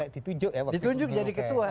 di tunjuk ya waktu itu di tunjuk jadi ketua